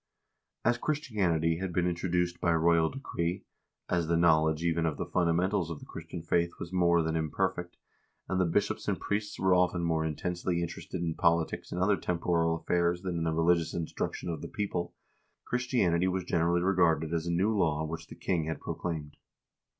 As Christianity had been introduced by royal decree, as the knowledge even of the fundamentals of the Christian faith was more than im perfect, and the bishops and priests were often more intensely in terested in politics and other temporal affairs than in the religious instruction of the people, Christianity was generally regarded as a new law which the king had proclaimed.